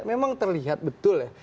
memang terlihat betul ya